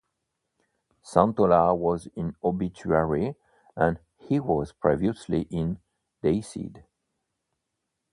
Santolla was in Obituary and he was previously in Deicide.